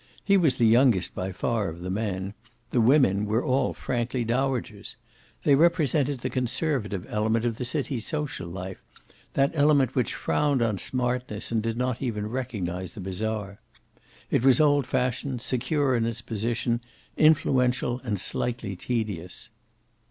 He was the youngest by far of the men; the women were all frankly dowagers. They represented the conservative element of the city's social life, that element which frowned on smartness and did not even recognize the bizarre. It was old fashioned, secure in its position, influential, and slightly tedious.